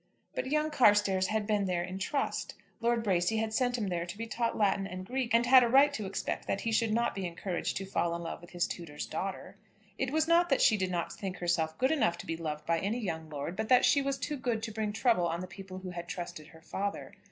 But young Carstairs had been there in trust. Lord Bracy had sent him there to be taught Latin and Greek, and had a right to expect that he should not be encouraged to fall in love with his tutor's daughter. It was not that she did not think herself good enough to be loved by any young lord, but that she was too good to bring trouble on the people who had trusted her father.